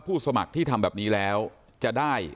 สมัครที่ทำแบบนี้แล้วจะได้